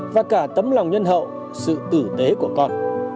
và cả tấm lòng nhân hậu sự tử tế của con